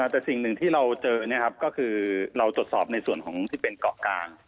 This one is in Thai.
แต่สิ่งหนึ่งที่เราเจอก็คือเราตรวจสอบในส่วนของที่เป็นเกาะกลาง